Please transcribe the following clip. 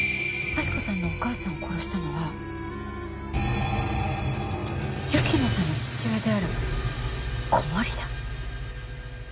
亜希子さんのお母さんを殺したのは雪乃さんの父親である小森田！？